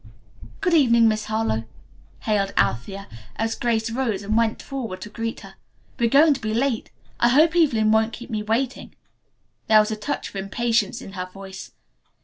"Good evening, Miss Harlowe," hailed Althea, as Grace rose and went forward to greet her. "We are going to be late. I hope Evelyn won't keep me waiting." There was a touch of impatience in her voice.